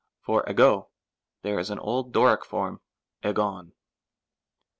For iyco, there is an old Doric form iycov.